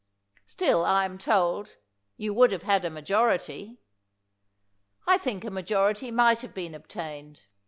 Still I am told, "You would have had a majority." I think a majority might have been obtained.